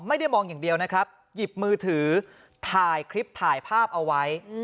ไม่ได้มองอย่างเดียวนะครับหยิบมือถือถ่ายคลิปถ่ายภาพเอาไว้